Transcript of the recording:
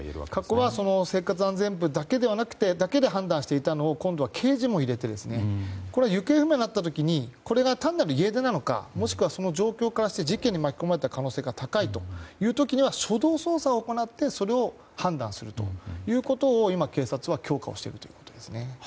過去には生活安全部だけで判断していたのを今度は刑事も入れてこれは、行方不明になった時にこれが単なる家出なのかもしくは状況からして事件に巻き込まれた可能性が高いという時は初動捜査を行ってそれを判断するということを今、警察は強化しているということです。